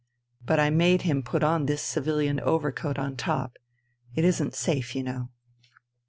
" But I made him put on this civilian overcoat on top. It isn't safe, you know."